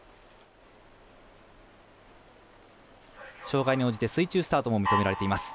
障がいに応じて水中スタートも認められています。